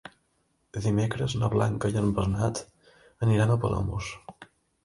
Dimecres na Blanca i en Bernat aniran a Palamós.